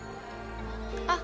あっ。